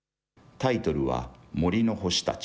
タイトルは、森の星たち。